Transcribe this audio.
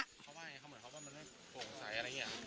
เมื่อจากแถวไปกินร้านที่แล้วนี่ล่ะ